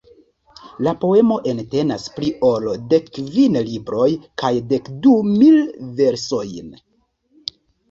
La poemo entenas pli ol dekkvin libroj kaj dekdu mil versojn.